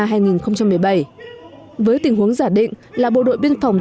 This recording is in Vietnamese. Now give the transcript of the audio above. với tình huống giả định là bộ đội biên phòng tỉnh lai châu bộ đội biên phòng khu vực mông tự trung quốc